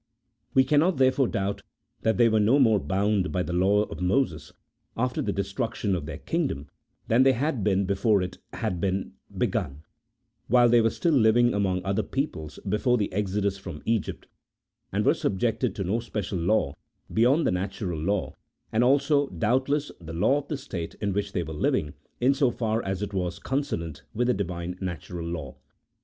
We cannot, therefore, doubt that they were no more bound by the law of Moses, after the destruction of their kingdom, than they had been before it had been begun, while they were still living among other peoples before the exodus from Egypt, and were subject to no special law beyond the natural law, and also, doubtless, the law of the state in which they were living, in so far as it was consonant with the Divine natural law.